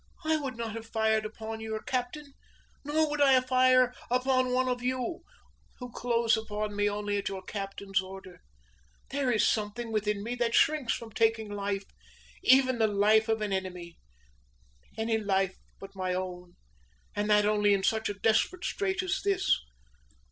I would not have fired upon your captain! Nor would I fire upon one of you, who close upon me only at your captain's order. There is something within me that shrinks from taking life! even the life of an enemy any life but my own, and that only in such a desperate strait as this.